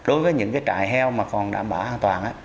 đối với những cái trại heo mà còn đảm bảo an toàn